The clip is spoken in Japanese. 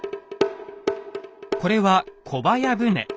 これは「小早船」。